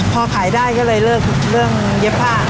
พอขายได้ก็เลยเริ่มเย็บฮา